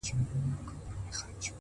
هره هڅه راتلونکی بدلولای شي؛